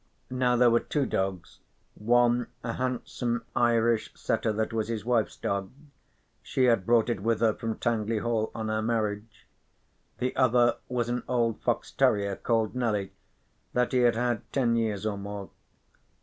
Now there were two dogs, one a handsome Irish setter that was his wife's dog (she had brought it with her from Tangley Hall on her marriage); the other was an old fox terrier called Nelly that he had had ten years or more.